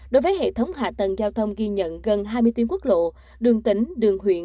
đối với hệ thống hạ tầng giao thông ghi nhận gần hai mươi tuyến quốc lộ đường tỉnh đường huyện